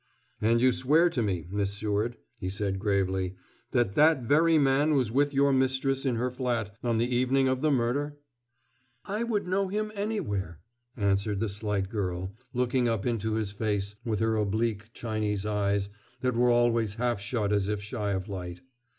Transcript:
"And you swear to me, Miss Seward," he said gravely, "that that very man was with your mistress in her flat on the evening of the murder?" "I would know him anywhere," answered the slight girl, looking up into his face with her oblique Chinese eyes that were always half shut as if shy of light.